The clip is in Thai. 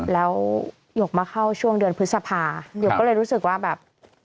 แล้วหยกมาเข้าช่วงเดือนพฤษภาหยกก็เลยรู้สึกว่าแบบ